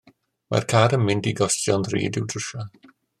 Mae'n car yn mynd i gostio'n ddrud i'w drwsio.